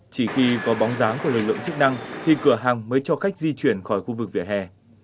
chỉ khi có bóng dáng của lực lượng chức năng thì cửa hàng mới cho khách di chuyển khỏi khu vực vỉa hè